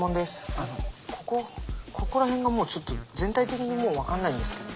あのここここら辺がもうちょっと全体的にもうわからないんですけど。